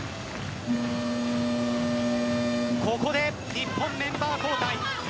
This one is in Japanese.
ここで日本メンバー交代。